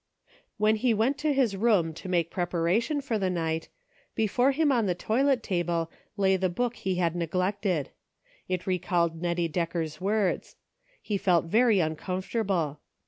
When he went to his room to make preparation for the night, before him on the toilet table lay the book he had neglected. It recalled Nettie Decker's words. He felt very uncomfortable.